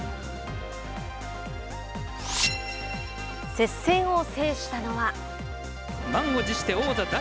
接戦を制したのは。